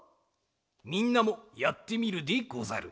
みんなもやってみるでござる。